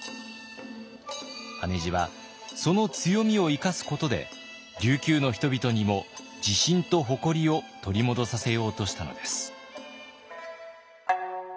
羽地はその強みを生かすことで琉球の人々にも自信と誇りを取り戻させようとしたのです。